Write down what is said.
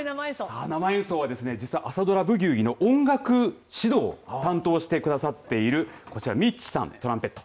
生演奏は、実は朝ドラブギウギの音楽指導を担当してくださっているこちらＭＩＴＣＨさん、トランペット。